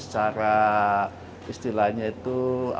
secara istilahnya itu